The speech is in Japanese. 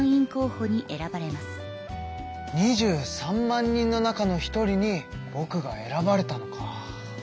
２３万人の中の一人にぼくが選ばれたのか。